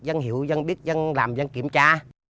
dân hiểu dân biết dân làm dân kiểm tra